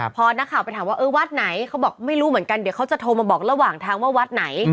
พอนักข่าวไปถามว่าเออวัดไหนเขาบอกไม่รู้เหมือนกันเดี๋ยวเขาจะโทรมาบอกระหว่างทางว่าวัดไหน